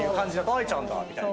ＡＩちゃんだみたいな。